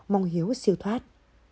mong hiếu siêu thoát